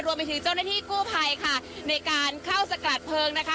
รวมไปถึงเจ้าหน้าที่กู้ภัยค่ะในการเข้าสกัดเพลิงนะคะ